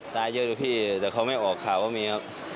ตายเยอะอยู่พี่แต่เขาไม่ออกข่าวก็มีครับ